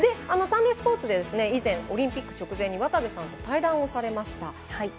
サンデースポーツで以前オリンピック直前に渡部さんと対談をされました。